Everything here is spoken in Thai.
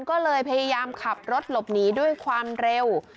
ก็เลยพยายามขับรถหลบหนีด้วยความเร็ว